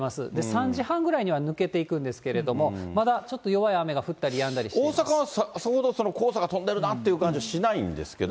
３時半ぐらいには抜けていくんですけれども、まだちょっと弱い雨大阪はさほど、そんな黄砂が飛んでるなって感じはしないんですけど。